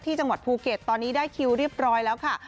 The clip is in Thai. จังหวัดภูเก็ตตอนนี้ได้คิวเรียบร้อยแล้วค่ะ